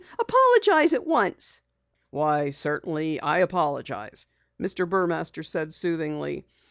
Apologize at once." "Why, certainly I apologize," Mr. Burmaster said soothingly.